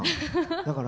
だから。